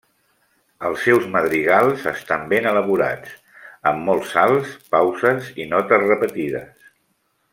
Els seus madrigals estan ben elaborats, amb molts salts, pauses i notes repetides.